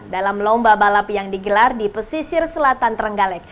dalam lomba balap yang digelar di pesisir selatan terenggalek